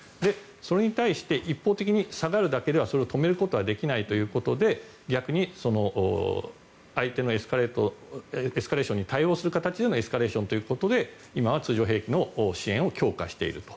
それに対して一方的に下がるだけではそれを止めることはできないということで逆に相手のエスカレーションに対応する形でのエスカレーションということで今は通常兵器の支援を強化していると。